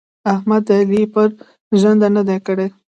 احمد د علي پر ژنده نه دي کړي.